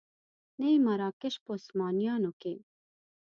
نه یې مراکش په عثمانیانو کې.